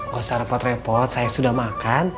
gak usah repot repot saya sudah makan